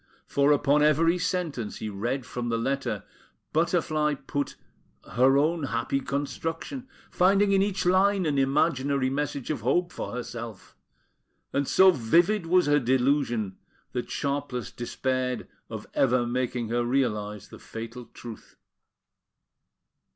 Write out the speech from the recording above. For, upon every sentence he read from the letter, Butterfly put her own happy construction, finding in each line an imaginary message of hope for herself; and so vivid was her delusion, that Sharpless despaired of ever making her realise the fatal truth.